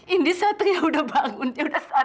ini satria udah bangun dia udah sadar